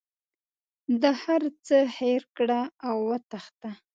د هر څه هېر کړه او وتښته.